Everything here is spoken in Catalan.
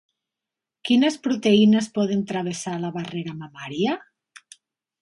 Quines proteïnes poden travessar la barrera mamària?